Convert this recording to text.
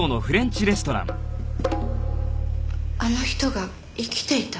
あの人が生きていた？